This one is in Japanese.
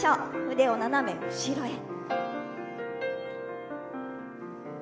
腕を斜め後ろへ。